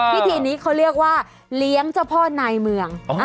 พิธีนี้เขาเรียกว่าเลี้ยงเจ้าพ่อนายเมือง